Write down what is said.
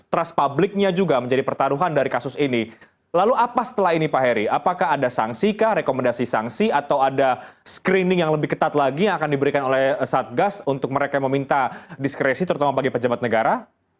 trust publiknya juga menjadi pertaruhan dari kasus ini lalu apa setelah ini pak heri apakah ada sanksi kah rekomendasi sanksi atau ada screening yang lebih ketat lagi yang akan diberikan oleh satgas untuk mereka yang meminta diskresi terutama bagi pejabat negara